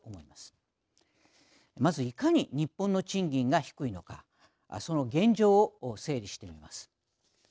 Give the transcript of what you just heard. まずいかに日本の賃金が低いのかその現状を整理してみます。